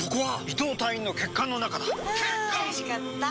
伊藤隊員の血管の中だ！